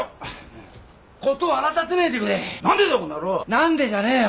何でじゃねえよ。